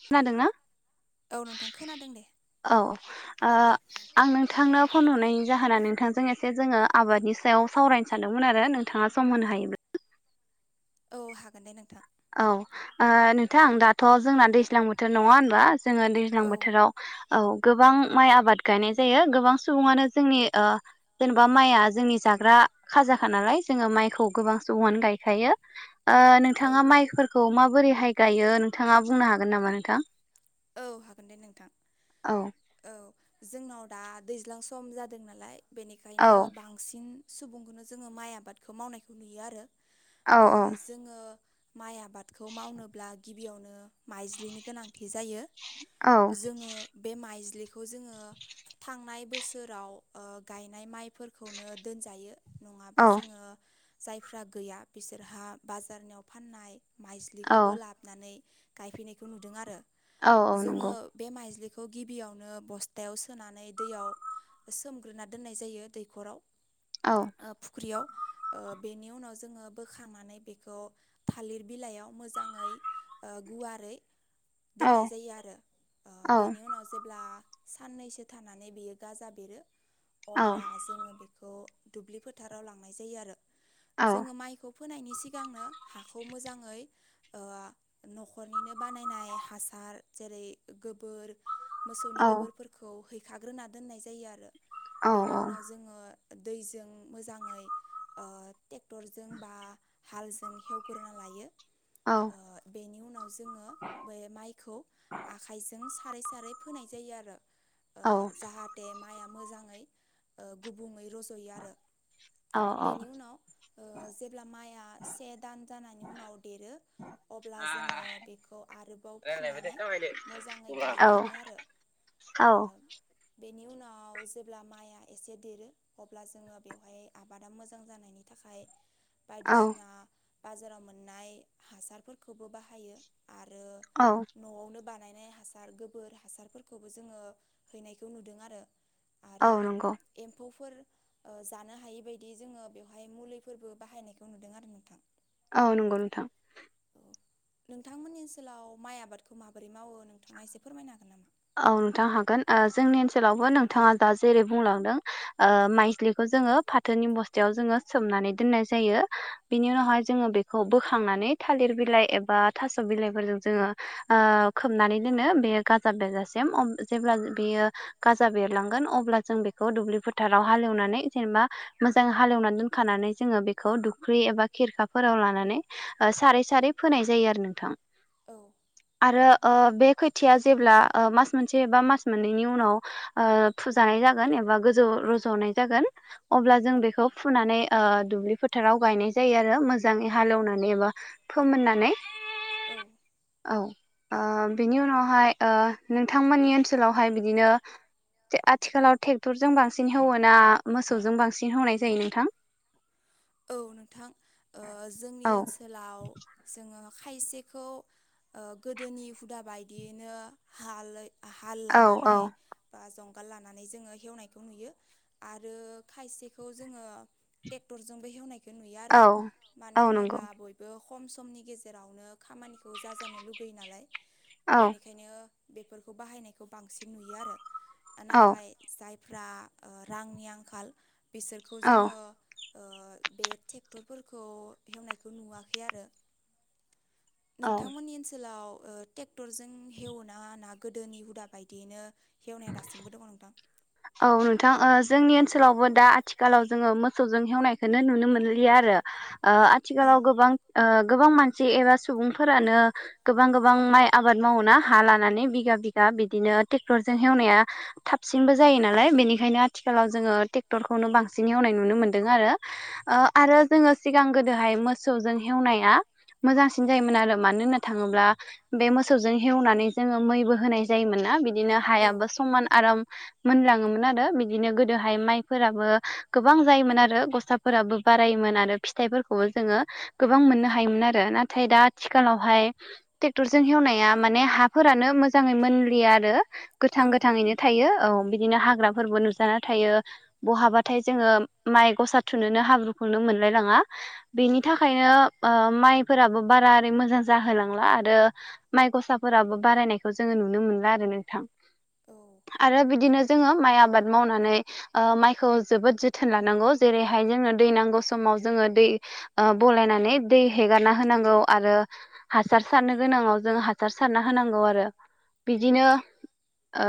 खोनादोंना औ नोंथां खोनादों दे औ ओ आं नोंथांनो फन हरनायनि जाहोना नोंथांजों एसे जोङो आबादनि सायाव सावरायनो सानदोंमोन आरो नोंथांङा सम होनो हायो [unintelligible] औ हागोन दे नोंथां औ ओ नोंथां दाथ' जोंना दैज्लां बोथोर नङा होनबा जोङो दैज्लां औ बोथोराव औ गोबां माइ आबाद गायनाय जायो गोबां सुबुङानो जोंनि ओ जेनेबा माइआ जोंनि जाग्रा खाजाखानालाय जोङो माइखौ गोबां सुबुंआनो गायखायो ओ औ नोंथाङा माइफोरखौ माबोरैहाय गायो नोंथाङा बुंनो हागोन नामा नोंथां औ हागोन दे नोंथां औ औ जोंनाव दा दैज्लां सम जादों नालाय औ बेनिखायनो बांसिन सुबुंखौनो जोङो माइ आबादखौ मावनायखौ नुयो आरो औ ओ जोङो माइ आ बादखौ मावनोब्ला गिबियावनो माइज्लिनि गोनांथि जायो औ जोङो बे माइज्लि खौ जोङो थांनाय बोसोराव ओ गायनाय माइफोरखौनो दोनजायो नङाबा औ जोङो जायफ्रा गैया बिसोरहा बाजारनियाव फाननाय औ माइज्लिखौबो लाबोनानै गायफैनायखौ नुदों आरो औ नंगौ जोङो बे माइज्लि खौ गिबियावनो बस्थायाव सोनानै दैयाव सोमग्रोना दोननाय जायो दैखराव औ ओ‌ फुख्रियाव ओ बेनि उनाव जोङो बोखांनानै बेखौ थालिर बिलाइयाव मोजाङै गुवारै औ दोननाय जायो आरो औ बेनि उनाव जेब्ला साननैसो थानानै बेयो गाजा बेरो औ अब्ला जोङो बेखौ दुब्लि फोथाराव लांनाय जायो आरो औ जोङो माइखौ फोनायनि सिगांनो हाखौ मोजाङै ओ न'खरनिनो बानायनाय हासार जेरै गोबोर मोसौनि औ गोबोरफोरखौ हैखाग्रोना दोननाय जायो आरो औ बेनि औ औ उनाव जोङो दैजों मोजाङै ओ ट्रेक्टरजों बा हालजों हेवग्रोना लायो ओ बेनि उनाव जोङो बे माइखौ आखाइजों सारै सारै फोनाय जायो आरो ओ जाहाथे माइया मोजाङै ओ गुबुङै रज'यो आरो बेनि उनाव ओ जेब्ला माइआ से दान जनि उनाव देरो अब्ला जोङो बेखौ आरोबाव फुनानै मोजाङै गायफिनो आरो ओ औ बे [unintelligible] जेब्ला माइया एसे देरो अब्ला जोङो बेवहाय आबादा मोजां जानायनि थाखाय औ बायदिसिना बाजाराव मोननाय हासारफोरखौबो बाहायो। आरो औ न'आवनो बानायनाय हासार गोबोर हासारफोरखौबो जोङो हैनायखौ नुदों आरो। औ आरो नंगौ एम्फौफोर ओ जानो हायि बायदि जोङो बेवहाय मुलिफोरबो बाहायनायखौ नुदों आरो नोंथां औ नंगौ नोंथां। नोंथांमोननि ओनसोलाव माइ आबादखौ माबोरै मावो नोंथाङा एसे फोरमायनो हागोन नामा? औ नोंथां हागोन जोंनि ओनसोलावबो नोंथाङा दा जेरै बुंलांदों ओ माइज्लिखौ जोङो फाथोनि बस्थायाव जोङो सोमनानै दोननाय जायो बेनि उनावहाय जोङो बेखौ बोखांनानै थालिर बिलाइ एबा थास' बिलाइफोरजों ओ खोबनानै दोनो बे गा जा बेरजासिम अ- जेब्ला बेयो गाजा बेरलांगोन अब्ला जों बेखौ दुब्लि फोथाराव हालेवना नै जेनबा मोजां हालेवनानै दोनखानानै जोङो बेखौ दुख्रि एबा खेरखाफोराव लानानै ओ सारै सारै फोनाय जायो आरो नोंथां। [unintelligible] आरो ओ बे खोथिया जेब्ला ओ मास मोनसे एबा मास मोननैनि उनाव ओ फुजानाय जागोन एबा गोजौ रज'नाय जागोन अब्ला जों बेखौ फुनानै ओ दुब्लि फोथाराव गायनाय जायो आरो मोजाङै हालेवनानै एबा फोमोननानै औ औ ओ बिनि उनावहाय ओ नोंथांमोननि ओनसोलावहाय बिदिनो आथिखालाव टेक्टरजों बांसिन हेवो ना मोसौजों बांसिन हेवनाय जायो नोंथां? औ नोंथां ओ जोंनि औ ओनसोलाव जोङो खायसेखौ ओ गोदोनि हुदा बायदियैनो हालयै हाल औ औ लानानै बा जों हाल लानानै जोङो एवनायखौ‌ नुयो आरो खायसेखौ जोङो टेक्टर जोंबो एवनायखौ नुयो आरो मानो औ औ नंगौ होनोब्ला बयबो खम समनि गेजेरावनो खामानिखौ जाजानो लुगैयो नालाय औ बेनिखायनो बेफोरखौ बाहायनायखौ बांसिन नुयो आरो। औ नाथाय जाय फ्रा ओ रांनि आंखाल बिसोरखौ औ जोङो ओ‌ बे टेक्टरफोरखौ हेवनायखौ नुवाखै आरो औ नोंथांमोननि ओनसोलाव ओ टेक्टरजों हेवना गोदोनि हुदा बायदियैनो हेवनाया दासिमबो दङ नोंथां? औ नोंथां ओ जोंनि ओनसोलावबो दा आथिखालाव जोङो मोसौजों हेवनायखौ नुनो मोनलिया आरो। ओ औ आथिखालाव गोबां ओ गोबां मानसि एबा सुबुंफोरानो गोबां गोबां माइ आबाद मावो ना हा लानानै बिगा बिगा बिदिनो टेक्टरजों औ हेवनाया थाबसिनबो जायो नालाय बेनिखायनो आथिखालाव जोङो टेक्टरखौनो बांसिन एवनाय नुनो मोनदों आरो। ओ‌ आरो जोङो सिगां गोदोहाय मोसौजों हेवनाया मोजांसिन जायोमोन आरो मानो होनना थाङोब्ला बे मोसौजों हेवनानै जोङो मैबो होनाय जायोमोन ना। बिदिनो औ हायाबो समान आराम मोनलाङोमोन आरो बिदिनो गोदोहाय माइफोराबो गोबां जायोमोन आरो गसाफोराबो बारायो मोन आरो फिथाइफोरखौबो जोङो गोबां मोननो हायोमोन आरो नाथाय दा आथिखालावहाय टेक्टरजों हेवनाया माने हाफोरानो मोजाङै मोनलिया आरो औ गोथां गोथाङैनो थायो औ। बिदिनो हाग्राफोरबो नुजाना थायो बहाबाथाय जोङो माइ गसा थुनोनो हाब्रुखौनो मो नलाय लाङा बेनि थाखायनो ओ माइफोराबो बारा ओरै मोजां जाहोलांला आरो माइ गसाफोराबो बारायनायखौ जोङो नुनो मोनला नोंथां। आरो बिदिनो जोङो माइ आबाद मावनानै माइखौ जोबोद जोथोन लानांगौ जेरैहाय जोङ दै नांगौ समाव ओ जोङो दै बलायनानै दै हेगारना होनांगौ आरो हासार सारनो गोनाङाव। औ जों हासार होनांगौ आरो बिदिनो ओ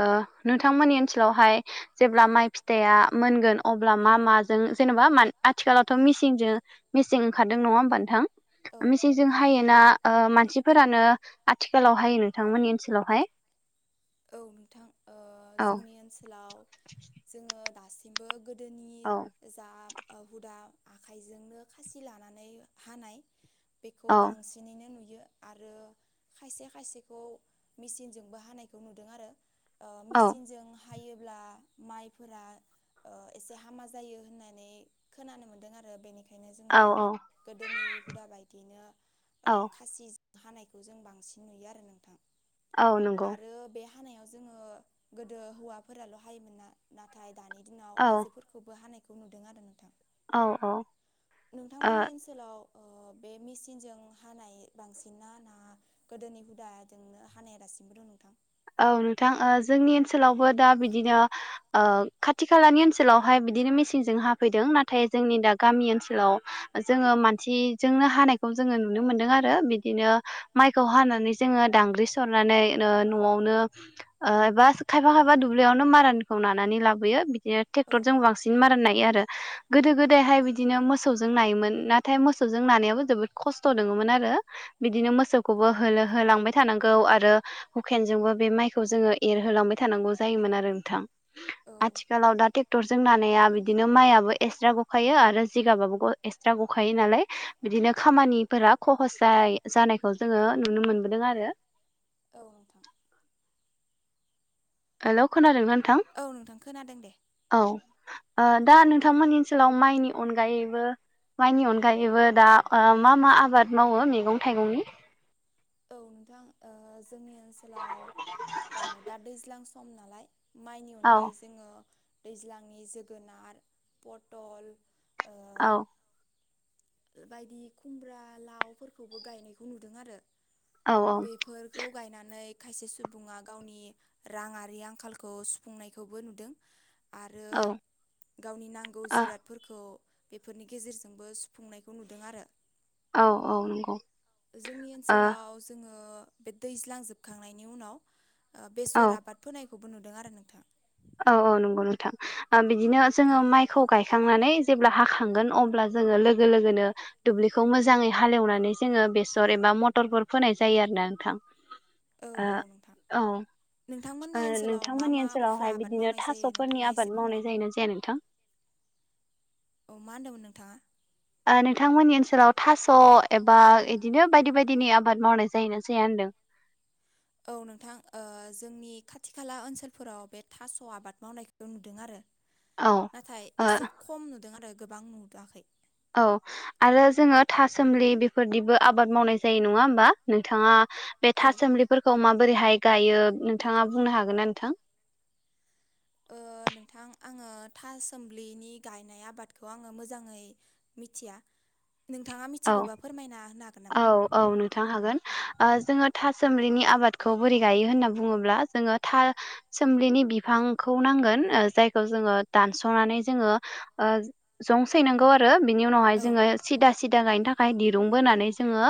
नोंथांमोननि। थिलावहाय। जेब्ला माइ फिथाइया मोनगोन अब्ला मा माजों जेनेबा आथिखालावथ' मिसिनजों मेसिं ओंखारदों नङा होमबा नोंथां औ मेसिंजों हायोना मानसिफोरानो? आथिखालाव हायो नोंथांमोननि ओनसोलावहाय औ नोंथां ओ औ जोंनि ओनसोलाव जोङो दासिमबो। गोदोनि औ जा ओ हुदा आखाइजोंनो खासि लानानै हानाय बेखौ औ बांसिनैनो नुयो आरो खायसे खायसेखौ मिसिनजोंबो हानाय। नुदों आरो औ मिचिनजों हायोब्ला माइफोरा। एसे हामा जायो होननानै खोनानो मोनदों आरो बेनिखायनो खायनो जोङो औ औ गोदोनि हुदा बायदियैनो ओ औ खासिजोंनो हानायखौ जों बांसिन नुयो आरो नोंथां। औ नंगौ। आरो बे हानायाव जोङो गोदो हौवाफोराल हायोमोन ना नाथाय दानि दिनाव औ आइजोफोरखौबो हानायखौ नुदों आरो नोंथां। औ औ ओ नोंथांमोननि ओनसोलाव ओ बे मेसिनजों हानाय बांसिन ना ना गोदोनि हुदाजोंनो हानाया दासिमबो दं नो औ नोंथां ओ जोंनि ओनसोलावबो दा बिदिनो खाथि खालानि ओनसोलावहाय बिदिनो मेसिनजों हाफैदों नाथाय जोंनि दा गामि ओनसोलाव जोङो मानसिजोंनो हानायखौ जोंनो नुनो मोनदों आरो बिदिनो माइखौ हानानै जोङो दांग्रि सरनानै ओ नआवनो ओ एबा खायफा खायफा दुब्लियावनो मारानखौ नानानै लाबोयो। बेयो औ ट्रेक्टर जों बांसिन मारान नायो। आरो गोदो गोदायहाय बिदिनो मोसौजों नायोमोन नाथाय मोसौजों नानायाबो जोबोद खस्थ दोङो मोन आरो बिदिनो मोसौखौबो होलो‌ होलांबाय थानांगौ आरो हुकेनजोंबो बे माइखौ जोङो एरहोलांबाय थानांगौ जायोमोन आरो नोंथां औ आथिखालाव दा टेक डक्टरजों नानाया बिदिनो माइयाबो एक्सट्रा गखायो आरो जिगाबाबो ग एक्सट्रा गखायो नालाय। बिदिनो खामानिफोरा खहस जाय जानायखौ जोङो नुनो मोनबोदों आरो औ नोंथां हेलौ खोनादों नों औ नोंथां खोनादों दे। ओ दा नोंथांमोननि ओनसोलाव माइनि अनगायैबो माइनि अनगायैबो दा ओ मा मा आबाद मावो मैगं थाइगंनि। औ नोंथां ओ जोंनि ओनसोलाव दा दैज्लां सम नालाय। माइनि औ अनगायै जोङो दैज्लांनि जोगोनार पटल ओ औ बायदि खुमब्रा लावफोरखौबो गायनायखौ नुदों आरो औ बेफोरखौ गायनानै खायसे सुबुङा गावनि रांआरि आंखालखौ सुफुंनायखौबो नुदों। आरो औ गावनि नांगौ ओ जिरादफोरखौ बेफोरनि गेजेरजोंबो सुफुंनायखौ नुदों आरो औ औ नंगौ। जोंनि ओ ओनसोलाव जोङो बे दैज्लांजोबखांनायनि उनाव ओ औ बेसर आबाद फोनायखौबो नुदों आरो नोंथां। औ औ नंगौ नोंथां ओ बिदिनो औ जोङो माइखौ गायखांनानै जेब्ला हाखांगोन अब्ला जोङो लोगो लोगोनो दुब्लिखौ मोजाङै हालेवनानै जोङो बेसर एबा मटरफोर फोनाय जायो आरो ना नोंथां औ औ नोंथां औ नोंथांमोननि ओनसोलाव मा नोंथांमोननि मा उफ्रा ओनसोलावहाय बिदि आबाद बिदिनो मावनाय जायो थासफोरनि नोंथाङा एसे आबाद फोरमायनो मावनाय हागोन जायोना जाया नोंथां।? औ मा होनदोंमोन नोंथाङा? ओ नोंथांमोननि ओनसोलाव थास एबा इदिनो बायदि बायदिनि आबाद मावनाय जायोना जाया होनदों [inaudible] औ नोंथां ओ जोंनि खाथि खाला ओनसोलफोराव बे थास आबाद मावनायखौबो नुदों आरो औ नाथाय ओ एसे खम नुदों आरो गोबां नुदोआखै औ आरो जोङो थासोमलि बेफोरदिबो आबाद मावनाय जायो नङा होमबा नोंथाङा बे औ थासोमलिफोरखौ माब बोरैहाय गायो नोंथाङा बुंनो हागोन ना नोंथां ओ नोंथां आङो थासोम्लिनि गायनाय आबादखौ आङो मोजाङै मिथिया नोंथाङा औ मिथिगौबा फोरमायना होनो हागोन औ नामा औ नोंथां हागोन ओ जोङो था सोमलिनि आबादखौ बोरै गायो होनना बुङोब्ला जोङो था सोमलिनि बिफांखौ नांगोन गोन ओ जायखो जोङो दानसनानै जोङो ओ जं सैनांगौ आरो बिनि उनावहाय औ जोङो सिदा सिदा गायनो थाखाय दिरुं बोनानै जोङो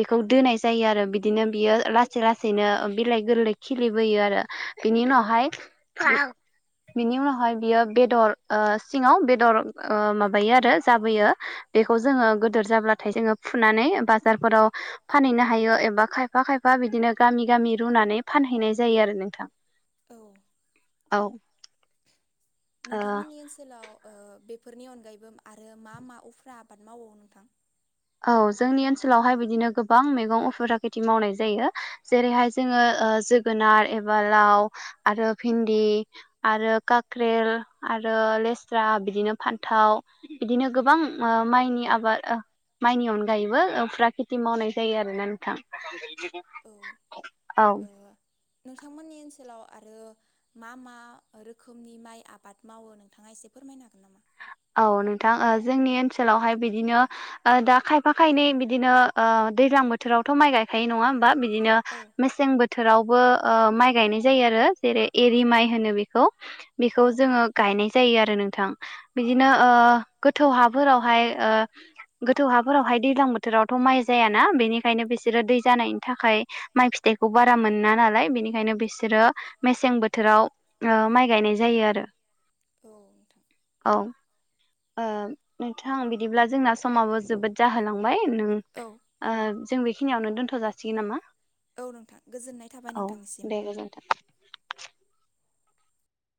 बेखौ दोननाय जायो आरो बिदिनो बियो लासै लासैनो ओ बिलाइ गोरलै खिलिबोयो आरो बिनि उनावहाय बिनि उनावहाय बियो बेदर ओ सिङाव बेदर ओ माबायो आरो जाबोयो बेखौ जोङो गोद दोर जाब्लाथाय जोङो फुनानै बाजार फोराव फानैनो हायो एबा खायफा खायफा बिदिनो गामि गामि गामि रुनानै फानहैनाय जायो आरो नोंथां औ औ ओ नोंथांमोननि ओनसोलाव ओ बे फोरनि अनगायैबो आरो मा मा उफ्रा आबाद मावो नोंथां औ जोंनि ओनसोलावहाय बिदिनो गोबां मैगं उफेदा खिथि मावनाय जायो जेरैहाय जोङो ओ जोगोनार एबा लाव आरो भिन्दि आरो काक्रेल आ रो लेस्रा बिदिनो फान्थाव बिदिनो गोबां ओ माइनि आबाद ओ माइनि अनगायैबो उफ्रा खिति मावनाय जायो आरोना नोंथां औ औ ओ नोंथांमोननि ओनसोलाव आरो मा मा रोखोमनि माइ आबाद मावो नोंथाङा फोर [inaudible] औ नोंथां ओ जोंनि ओनसोलावहाय बिदिनो ओ दा खायफा खायनै बिदिनो ओ दैज्लां बोथोरावथ' माइ गायखायो नङा होमबा बिदिनो औ मेसें बो थोरावबो ओ माइ गायनाय जायो आरो जेरै एरि माइ होनो बेखौ बेखौ औ जोङो गायनाय जायो आरो नोंथां बिदिनो ओ गोथौ हाफोरावहाय ओ गोथौ हाफोरावहाय दैज्लां बोथोरावथ' माइ जायाना बेनिखायनो बिसोरो दै जानायनि थाखाय माइ फिथाइ इखौ बारा मोना नालाय बेनिखायनो बिसोरो मेसें बोथोराव ओ माइ गायनाय जायो आरो औ नोंथां औ ओ नोंथां बिदिब्ला जोंना समाबो जोबोद जाहोलां बाय नों औ ओ जों बेखिनियावनो दोनथ' जासिगोन नामा! औ नोंथां गोजोननाय थाबाय औ नोंथांनिसिम। दे गोजोन्थों।